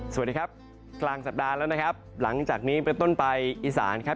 สวัสดีครับกลางสัปดาห์แล้วนะครับหลังจากนี้เป็นต้นไปอีสานครับ